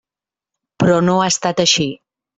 Però no ha estat així.